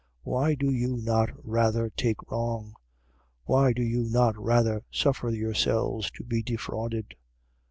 Why do you not rather take wrong? Why do you not rather suffer yourselves to be defrauded?